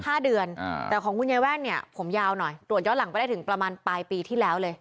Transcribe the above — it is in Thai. แต่ของคุณยายแว่นผมยาวหน่อยตรวจย้อนหลังไปได้ถึงประมาณปลายปีที่แล้วเลย